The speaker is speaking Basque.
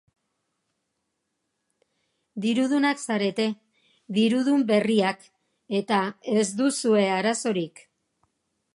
Dirudunak zarete, dirudun berriak, eta ez duzue arazorik.